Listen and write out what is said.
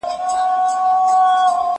زه هره ورځ د کتابتوننۍ سره مرسته کوم،